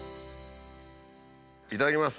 いただきます。